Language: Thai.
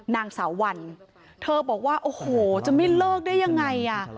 นางสาววันเธอบอกว่าโอ้โหจะไม่เลิกได้ยังไงอ่ะ